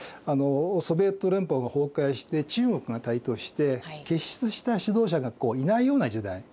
ソビエト連邦が崩壊して中国が台頭して傑出した指導者がいないような時代。